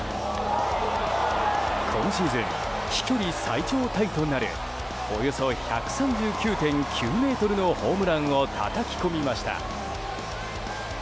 今シーズン飛距離最長タイとなるおよそ１３９．９ｍのホームランをたたき込みました。